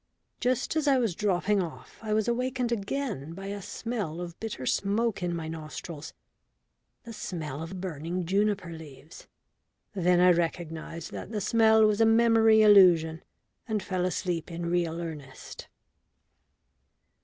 Just as I was dropping off I was awakened again by a smell of bitter smoke in my nostrils the smell of burning juniper leaves. Then I recognised that the smell was a memory illusion, and fell asleep in real earnest.